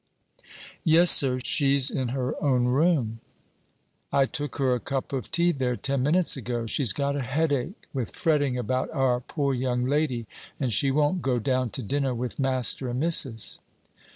"Yes, sir; she's in her own room. I took her a cup of tea there ten minutes ago. She's got a headache with fretting about our poor young lady, and she won't go down to dinner with master and missus."